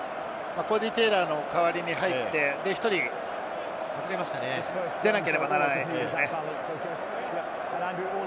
コーディー・テイラーの代わりに入って、１人出なければならないですね。